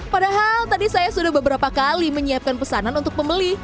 padahal tadi saya sudah beberapa kali menyiapkan pesanan untuk pembeli